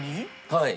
はい。